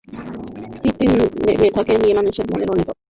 কৃত্রিম মেধাকে নিয়ে মানুষের মনে অনেক অকারণ ভয় রয়েছে।